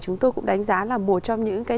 chúng tôi cũng đánh giá là một trong những cái